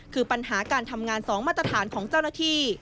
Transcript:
คือปัญหาการทำงาน๒มาตรฐานของเจ้าหน้าที่